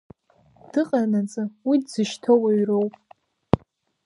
Дыҟанаҵы уи дзышьҭо уаҩроуп.